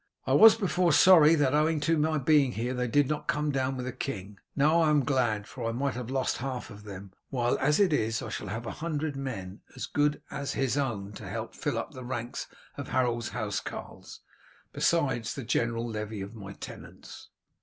I was before sorry that, owing to my being here, they did not come down with the king; now I am glad, for I might have lost half of them, while as it is I shall have a hundred men as good as his own to help to fill up the ranks of Harold's housecarls, besides the general levy of my tenants."